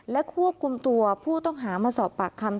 และควบคุมตัวผู้ต้องหามาสอบปากคำ